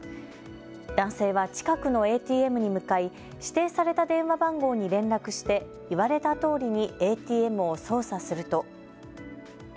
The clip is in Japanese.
男性は近くのＡＴＭに向かい指定された電話番号に連絡して言われたとおりにＡＴＭを操作すると。